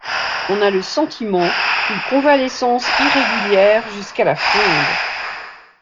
On a le sentiment d’une convalescence irrégulière jusqu’à la Fronde.